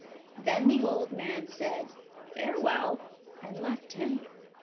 Then the old man said "Farewell," and left him.